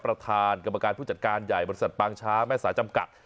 ประธานกรรมการผู้จัดการใหญ่บริษัทปางช้าแม่สายจำกัด